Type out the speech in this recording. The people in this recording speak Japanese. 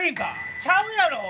ちゃうやろ！